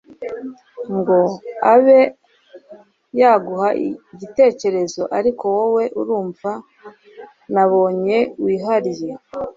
ngo abe yaguha igitekerezo ariko wowe urumwe nabonye wihariye